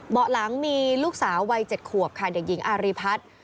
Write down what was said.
เบาะหลังมีลูกสาววัย๗ขวบค่ะเด็กหญิงอารีพัฒน์